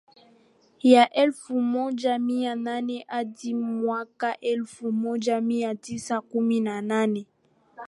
ya elfu moja mia nane hadi mwaka elfu moja mia tisa kumi na nane